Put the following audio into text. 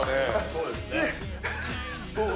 そうですね。